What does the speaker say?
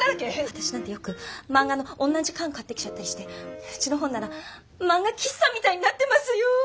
私なんてよく漫画の同じ巻買ってきちゃったりしてうちの本棚漫画喫茶みたいになってますよぅ。